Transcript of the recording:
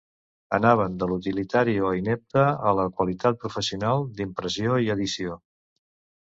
Anaven de l'utilitari o inepte a la qualitat professional d'impressió i edició.